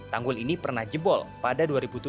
tanggul ini pernah jebol pada dua ribu tujuh